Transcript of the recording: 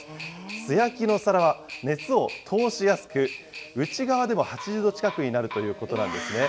素焼きの皿は熱を通しやすく、内側でも８０度近くになるということなんですね。